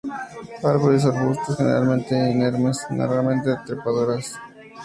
Árboles o arbustos generalmente inermes, raramente trepadoras con zarcillos cortos y curvados.